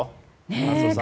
松尾さん。